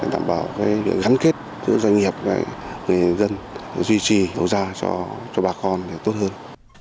đảm bảo cái gắn kết cho doanh nghiệp người dân duy trì đổ ra cho bà con tốt hơn